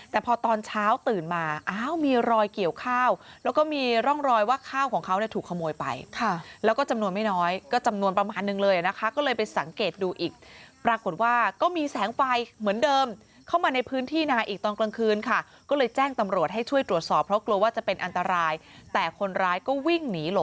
แต่พอตอนเช้าตื่นมาอ้าวมีรอยเกี่ยวข้าวแล้วก็มีร่องรอยว่าข้าวของเขาเนี่ยถูกขโมยไปค่ะแล้วก็จำนวนไม่น้อยก็จำนวนประมาณนึงเลยนะคะก็เลยไปสังเกตดูอีกปรากฏว่าก็มีแสงไฟเหมือนเดิมเข้ามาในพื้นที่นาอีกตอนกลางคืนค่ะก็เลยแจ้งตำรวจให้ช่วยตรวจสอบเพราะกลัวว่าจะเป็นอันตรายแต่คนร้ายก็วิ่งหนีหล